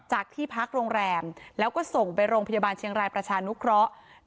ที่พักโรงแรมแล้วก็ส่งไปโรงพยาบาลเชียงรายประชานุเคราะห์